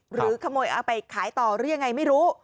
หรือขโมยเอาไปขายต่อหรือยังไงไม่รู้